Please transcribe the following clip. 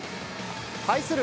対する